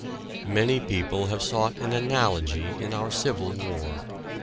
Many people have sought an analogy in our Civil War.